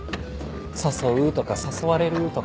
誘うとか誘われるとか。